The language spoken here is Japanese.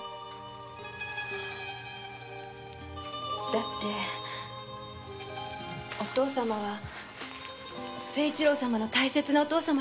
だってお父様は誠一郎様の大切なお父様ですもの。